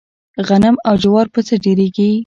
غنم او جوار په څۀ ډېريږي؟